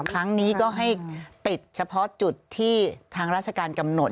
ครั้งนี้ก็ให้ติดเฉพาะจุดที่ทางราชการกำหนด